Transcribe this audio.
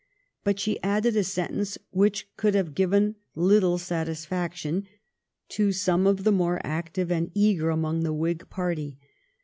But she added a sentence which could have given little satisfaction to some of the more active and eager among the Whig party.